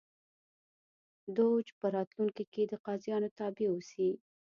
دوج په راتلونکي کې د قاضیانو تابع اوسي.